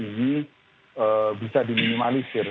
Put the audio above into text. ini bisa diminimalisir